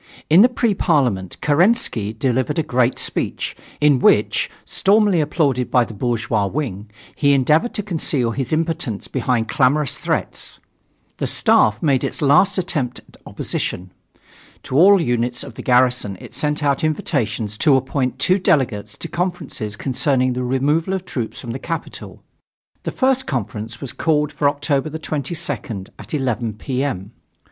In the Pre Parliament Kerensky delivered a great speech, in which, stormily applauded by the bourgeois wing, he endeavored to conceal his impotence behind clamorous threats. The Staff made its last attempt at opposition. To all units of the garrison it sent out invitations to appoint two delegates to conferences concerning the removal of troops from the capital. The first conference was called for October 22nd, at 11 P. M.